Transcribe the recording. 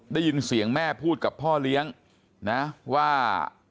ได้ยินเสียงแม่พูดกับพ่อเลี้ยงนะว่า